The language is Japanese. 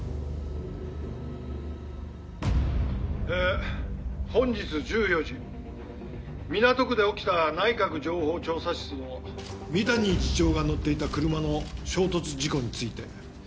ええ本日１４時港区で起きた内閣情報調査室の三谷次長が乗っていた車の衝突事故について。